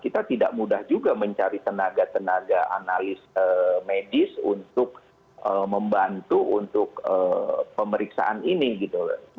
kita tidak mudah juga mencari tenaga tenaga analis medis untuk membantu untuk pemeriksaan ini gitu loh